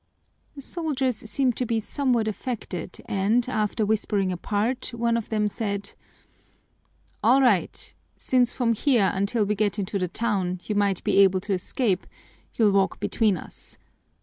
The soldiers seemed to be somewhat affected and, after whispering apart, one of them said: "All right, since from here until we get into the town, you might be able to escape, you'll walk between us.